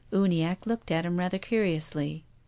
Uniacke looked at him rather curiously.